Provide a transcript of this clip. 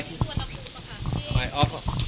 ส่วนอังกฤษมาข้างที่